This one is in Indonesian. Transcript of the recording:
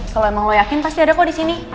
kalau emang lo yakin pasti ada kok di sini